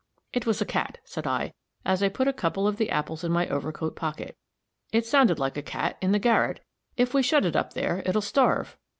"It was a cat," said I, as I put a couple of the apples in my overcoat pocket. "It sounded like a cat in the garret. If we shut it up there, it'll starve."